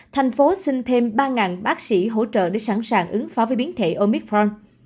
thành phố xin thêm ba bác sĩ hỗ trợ để sẵn sàng ứng phó với biến thể omicron